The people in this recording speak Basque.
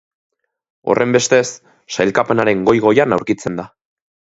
Horrenbestez, sailkapenaren goi-goian aurkitzen da.